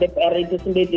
dpr itu sendiri